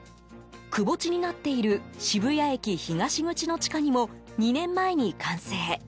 くぼ地になっている渋谷駅東口の地下にも２年前に完成。